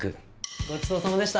ごちそうさまでした。